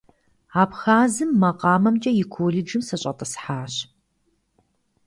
Абхъазым макъамэмкӀэ и колледжым сыщӀэтӀысхьащ.